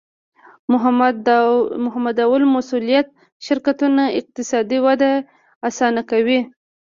محدودالمسوولیت شرکتونه اقتصادي وده اسانه کوي.